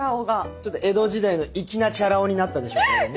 ちょっと江戸時代の粋なチャラ男になったでしょうからね。